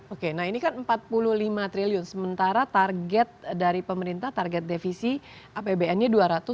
oke nah ini kan empat puluh lima triliun sementara target dari pemerintah target defisi apbn nya dua ratus lima puluh